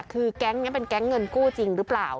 คือแก๊งนี้เป็นแก๊งเงินกู้จริงหรือเปล่า